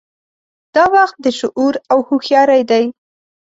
دا وخت د شعور او هوښیارۍ دی.